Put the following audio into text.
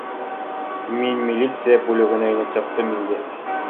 Мин милиция бүлегенә инеп сыҡтым инде